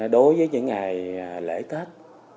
đối với những ngày lễ tết